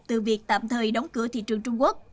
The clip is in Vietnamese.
từ việc tạm thời đóng cửa thị trường trung quốc